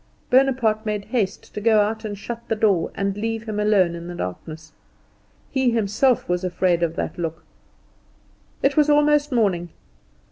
Bonaparte made haste to go out and shut the door, and leave him alone in the darkness. He himself was afraid of that look. It was almost morning.